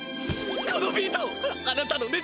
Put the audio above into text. このビートあなたのね